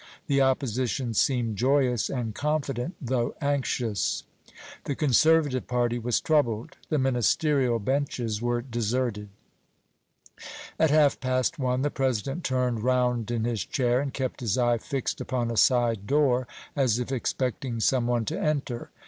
The opposition seemed joyous and confident, though anxious. The conservative party was troubled. The Ministerial benches were deserted. At half past one the President turned round in his chair, and kept his eye fixed upon a side door, as if expecting some one to enter.